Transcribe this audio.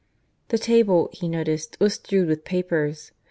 The table, he noticed, was strewed with papers.